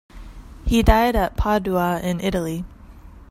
He died at Padua in Italy.